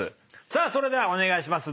さあそれではお願いします。